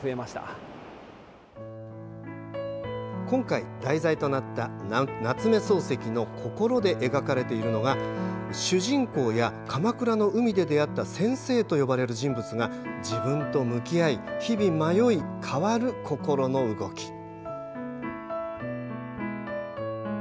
今回、題材となった夏目漱石の「こころ」で描かれているのが主人公や、鎌倉の海で出会った先生と呼ばれる人物が自分と向き合い、日々迷い変わる心の動き。